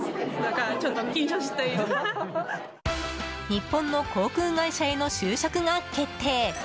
日本の航空会社への就職が決定。